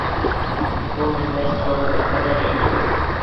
بۇ مەنبە تىلغا بىر قەدەر يېقىن.